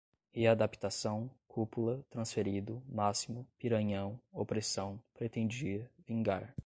readaptação, cúpula, transferido, máxima, piranhão, opressão, pretendia, vingar